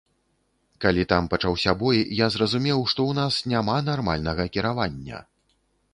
Калі там пачаўся бой, я зразумеў, што ў нас няма нармальнага кіравання.